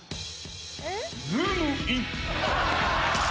ズームイン‼